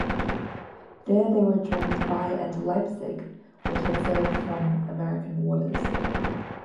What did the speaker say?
There they were joined by and "Leipzig", which had sailed from American waters.